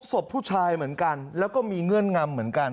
ศพผู้ชายเหมือนกันแล้วก็มีเงื่อนงำเหมือนกัน